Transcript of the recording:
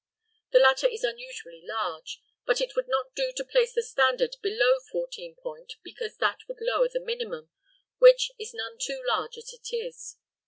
The latter is unusually large, but it would not do to place the standard below fourteen point, because that would lower the minimum, which is none too large as it is.